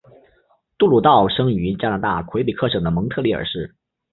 杜鲁道生于加拿大魁北克省的蒙特利尔市。